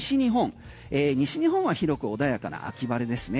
西日本は広く穏やかな秋晴れですね。